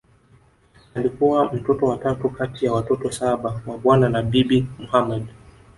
Alikuwa mtoto wa tatu kati ya watoto saba wa Bwana na Bibi Mohamed